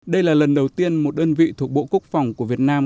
đây là lần đầu tiên một đơn vị thuộc bộ quốc phòng của việt nam